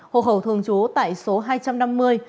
hộ khẩu thường trú tại số hai trăm năm mươi